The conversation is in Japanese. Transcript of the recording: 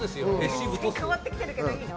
変わってきてるけどいいの？